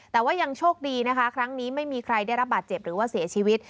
แต่ว่ายังโชคดีนะคะครั้งนี้ไม่มีใครได้รับบาดเจ็บหรือว่าเสียชีวิต